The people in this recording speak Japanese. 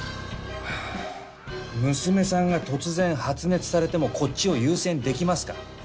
娘さんが突然発熱されてもこっちを優先できますか？